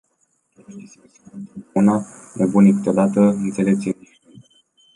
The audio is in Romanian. Proștii se însoară totdeauna, nebunii câteodată, înțeleptul nicicând.